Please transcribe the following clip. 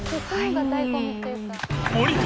森川）